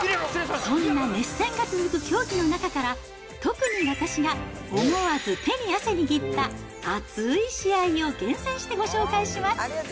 そんな熱戦が続く競技の中から、特に私が思わず手に汗握った熱い試合を厳選してご紹介します。